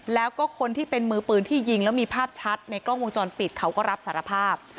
แล้วก็คนที่เป็นมือปืนที่ยิงแล้วมีภาพชัดในกล้องวงจรปิดเขาก็รับสารภาพ